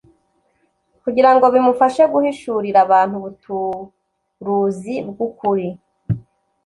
kugira ngo bimufashe guhishurira abantu ubuturuzi bw'ukuri,